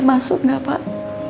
masuk nggak pak